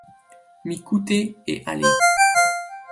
mi kute e ale.